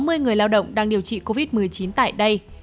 các người lao động đang điều trị covid một mươi chín tại đây